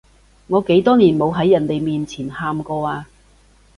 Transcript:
我幾多年冇喺人哋面前喊過啊